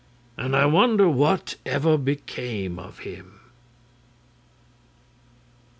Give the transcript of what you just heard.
And I wonder what ever became of him!"